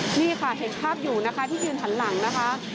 นี่ค่ะเห็นภาพอยู่นะคะที่ยืนหันหลังนะคะ